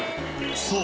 そう！